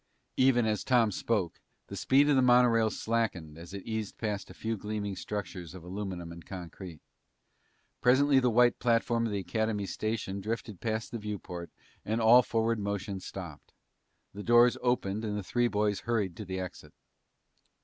Even as Tom spoke, the speed of the monorail slackened as it eased past a few gleaming structures of aluminum and concrete. Presently the white platform of the Academy station drifted past the viewport and all forward motion stopped. The doors opened and the three boys hurried to the exit.